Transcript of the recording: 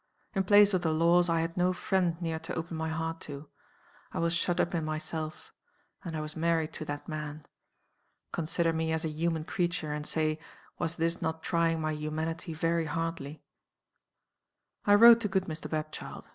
In place of the laws I had no friend near to open my heart to. I was shut up in myself. And I was married to that man. Consider me as a human creature, and say, Was this not trying my humanity very hardly? "I wrote to good Mr. Bapchild.